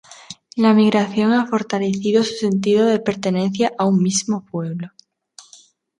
La migración ha fortalecido su sentido de pertenencia a un mismo pueblo.